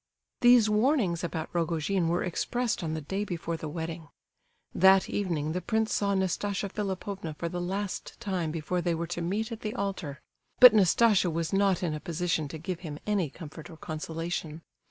These warnings about Rogojin were expressed on the day before the wedding. That evening the prince saw Nastasia Philipovna for the last time before they were to meet at the altar; but Nastasia was not in a position to give him any comfort or consolation.